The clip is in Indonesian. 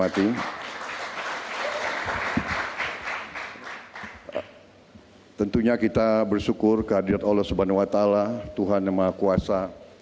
tentunya kita bersyukur kehadirat allah swt tuhan nama kuasa